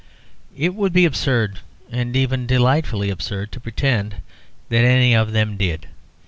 It would be absurd, and even delightfully absurd, to pretend that any of them did.